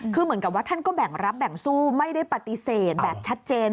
คือเหมือนกับว่าท่านก็แบ่งรับแบ่งสู้ไม่ได้ปฏิเสธแบบชัดเจน